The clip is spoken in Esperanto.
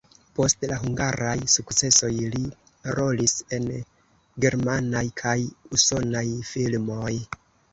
Post la hungaraj sukcesoj li rolis en germanaj kaj usonaj filmoj.